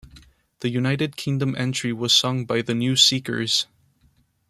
The United Kingdom entry was sung by The New Seekers.